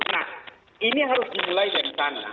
nah ini harus dimulai dari sana